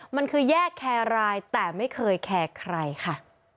มันคือแยกแครรายแต่ไม่เคยแคร์ใครค่ะ